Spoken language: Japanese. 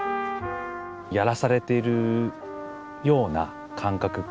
やらされているような感覚。